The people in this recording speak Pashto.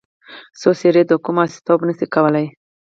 څو څېرې د قوم استازیتوب نه شي کولای.